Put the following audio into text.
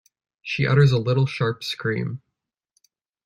She utters a little sharp scream.